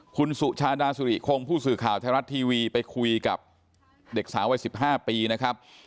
คุณสุชาดาสุริคงผู้สื่อข่าวไทยรัฐทีวีไปคุยกับเด็กสาววัย๑๕ปีนะครับ